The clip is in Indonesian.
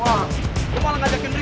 ayo duh kejar duh kejar